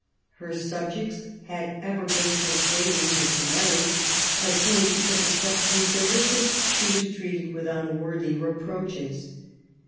Her subjects had ever been per suading her to marry: as soon as she took a step to meet their wishes she was treated with unworthy reproaches.